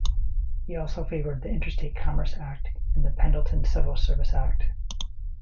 He also favored the Interstate Commerce Act and the Pendleton Civil Service Act.